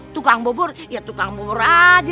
tukang bobur ya tukang bobur aja